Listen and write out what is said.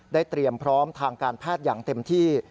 เตรียมพร้อมทางการแพทย์อย่างเต็มที่